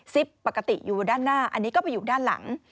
ปกติอยู่ด้านหน้าอันนี้ก็ไปอยู่ด้านหลัง